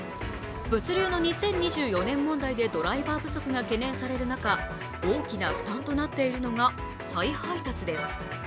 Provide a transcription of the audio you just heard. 物流の２０２４年問題でドライバー不足が懸念されている中、大きな負担となっているのが再配達です。